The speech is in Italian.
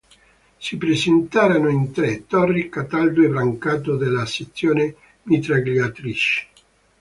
Si presenteranno in tre, Torri, Cataldo e Brancato della I Sezione Mitragliatrici.